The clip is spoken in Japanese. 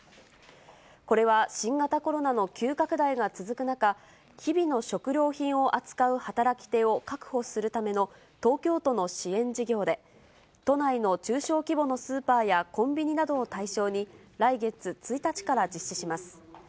これは新型コロナの急拡大が続く中、日々の食料品を扱う働き手を確保するための東京都の支援事業で、都内の中小規模のスーパーやコンビニなどを対象に、来月１日から実施します。